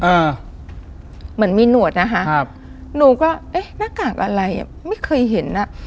อ่าเหมือนมีหนวดนะคะครับหนูก็เอ๊ะหน้ากากอะไรอ่ะไม่เคยเห็นอ่ะ